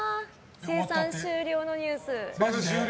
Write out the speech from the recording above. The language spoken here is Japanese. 生産終了のニュース。